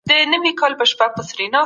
په امریکا کې داسې لابراتوارونه سته.